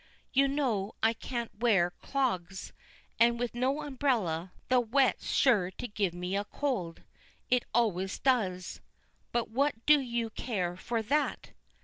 You know I can't wear clogs; and with no umbrella, the wet's sure to give me a cold it always does. But what do you care for that?